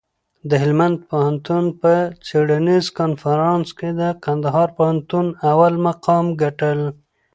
د هلمند پوهنتون په څېړنیز کنفرانس کي د کندهار پوهنتون اول مقام ګټل.